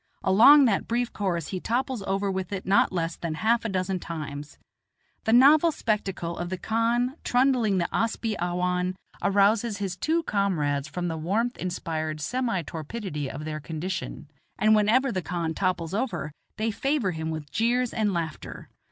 Along that brief course he topples over with it not less than half a dozen times. The novel spectacle of the khan trundling the asp i awhan arouses his two comrades from the warmth inspired semi torpidity of their condition, and whenever the khan topples over, they favor him with jeers and laughter.